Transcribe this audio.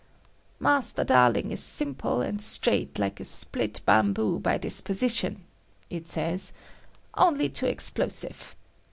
"Master Darling is simple and straight like a split bamboo by disposition," it says, "only too explosive.